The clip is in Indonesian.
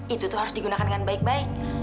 itu tuh harus digunakan dengan baik baik